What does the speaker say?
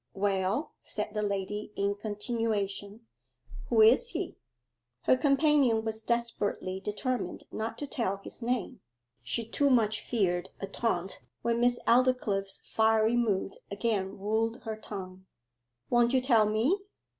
'Well,' said the lady in continuation, 'who is he?' Her companion was desperately determined not to tell his name: she too much feared a taunt when Miss Aldclyffe's fiery mood again ruled her tongue. 'Won't you tell me?